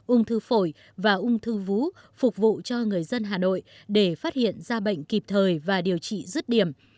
ung thư phổi và ung thư vú phục vụ cho người dân hà nội để phát hiện ra bệnh kịp thời và điều trị rứt điểm